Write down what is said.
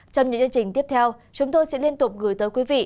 trong những chương trình tiếp theo chúng tôi sẽ liên tục gửi tới quý vị